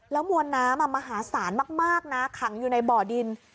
มวลน้ำมหาศาลมากนะขังอยู่ในบ่อดิน